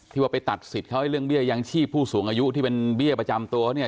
ว่าไปตัดสิทธิ์เขาให้เรื่องเบี้ยยังชีพผู้สูงอายุที่เป็นเบี้ยประจำตัวเขาเนี่ย